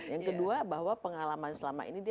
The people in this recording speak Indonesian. yang kedua bahwa pengalaman selama ini dia